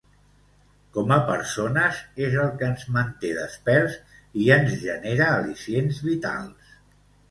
Com a persones és el que ens manté desperts i ens genera al·licients vitals.